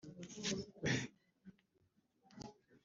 n umubyaza bahera bishingiye